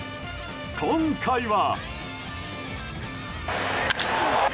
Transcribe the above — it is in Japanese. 今回は。